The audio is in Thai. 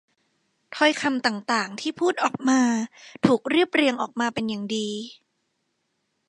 ถ้อยคำต่าง ๆ ที่พูดออกมาถูกเรียบเรียงออกมาเป็นอย่างดี